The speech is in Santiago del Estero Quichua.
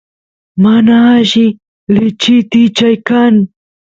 mana alli lechit ichay kan